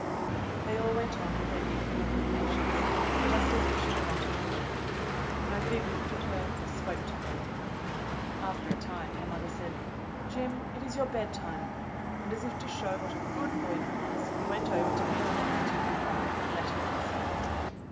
They all went on with their evening occupations just as if she were not in the room. Nobody looked at her or spoke to her. After a time her mother said, "Jim, it is your bed time," and as if to show what a good boy he was he went over to bid Aunt Mattie good bye and let her kiss him.